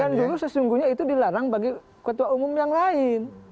dan dulu sesungguhnya itu dilarang bagi ketua umum yang lain